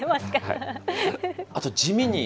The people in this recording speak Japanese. あと地味に。